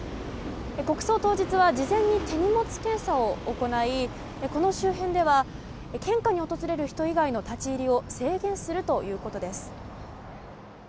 国葬当日は事前に手荷物検査を行いこの周辺では献花に訪れる人以外の立ち入りを制限するということです。